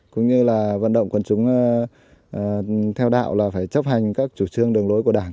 cũng như là vận động quần chúng theo đạo là phải chấp hành các chủ trương đường lối của đảng